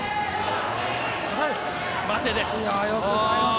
待てです。